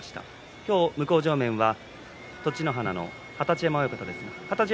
今日、向正面は栃乃花の二十山親方です。